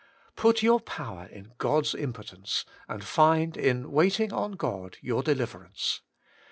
Put your power in God's omnipotence, and find in waiting on God your deliverance.